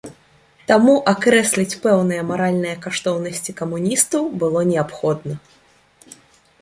Таму акрэсліць пэўныя маральныя каштоўнасці камуністаў было неабходна.